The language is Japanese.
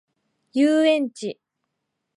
遊園地